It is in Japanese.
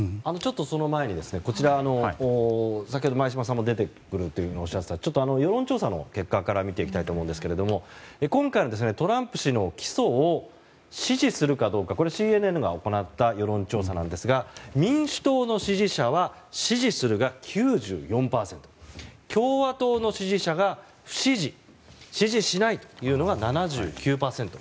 その前に先ほど、前嶋さんからもあった世論調査の結果から見ていきたいんですが今回のトランプ氏の起訴を支持するかどうかＣＮＮが行った世論調査ですが民主党の支持者は支持するが９４％共和党の支持者が支持、支持しないが７９％。